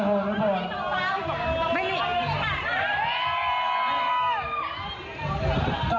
เพราะว่าเขามีสอบ